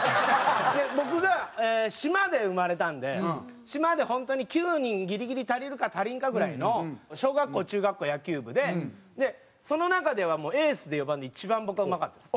僕が島で生まれたんで島でホントに９人ギリギリ足りるか足りんかぐらいの小学校中学校野球部でその中ではエースで４番で一番僕がうまかったです。